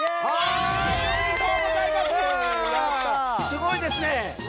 すごいですね！